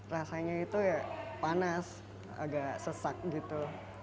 rasanya itu ya panas agak sesak gitu